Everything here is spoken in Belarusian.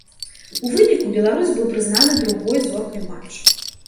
У выніку беларус быў прызнаны другой зоркай матчу.